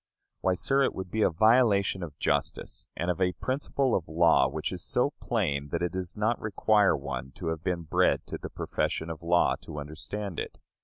Why, sir, it would be a violation of justice, and of a principle of law which is so plain that it does not require one to have been bred to the profession of law to understand it.